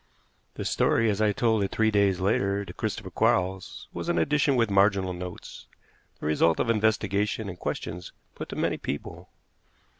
The story, as I told it three days later to Christopher Quarles, was an edition with marginal notes, the result of investigation and questions put to many people.